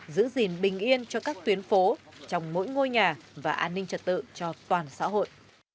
giữ gìn bình yên cho các tuyến phố trong mỗi ngôi nhà và an ninh trật tự cho toàn xã hội